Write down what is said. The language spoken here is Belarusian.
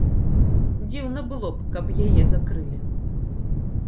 Дзіўна было б, каб яе закрылі.